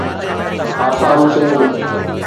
Assam Singh